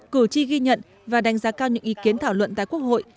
cử tri ghi nhận và đánh giá cao những ý kiến thảo luận tại quốc hội